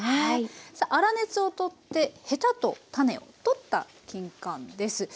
さあ粗熱を取ってヘタと種を取ったきんかんです。